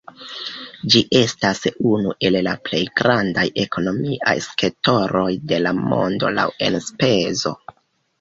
Ĝi estas unu el la plej grandaj ekonomiaj sektoroj de la mondo laŭ enspezo.